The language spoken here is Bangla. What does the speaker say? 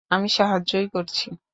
আমি সাহায্যই করছি।